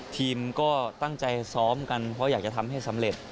ทีมก็ตั้งใจซ้อมกันเพราะอยากจะทำให้สำเร็จ